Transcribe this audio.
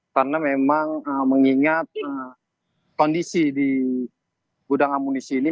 karena memang mengingat kondisi di gudang amunisi ini